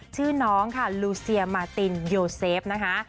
ชื่อน้องค่ะลูเซียมาตินโยเซฟนะคะ